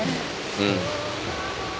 うん。